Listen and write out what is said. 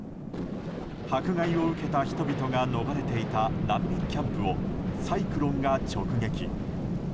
迫害を受けた人々が逃れていた難民キャンプをサイクロンが直撃。